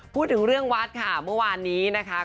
พูดถึงเรื่องวัดค่ะเมื่อวานนี้นะคะ